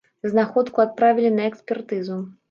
Знаходку адправілі на экспертызу.